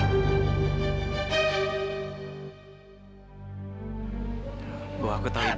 ibu aku tak